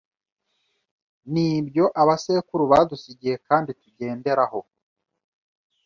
ni ibyo abasekuru badusigiye kandi tugenderaho: